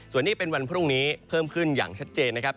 ส่วนนี้เป็นวันพรุ่งนี้เพิ่มขึ้นอย่างชัดเจนนะครับ